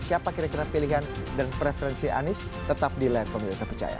siapa kira kira pilihan dan preferensi anies tetap di layar pemilu terpercaya